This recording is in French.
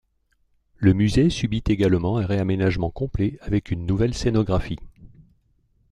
Le musée subit également un réaménagement complet avec une nouvelle scénographie.